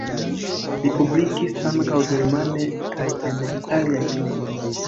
Li publikis ankaŭ germane kaj en aliaj lingvoj.